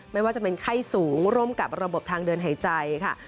ไม่ว่าจะเป็นไข้สูงร่วมกับระบบทางเดินหายใจค่ะ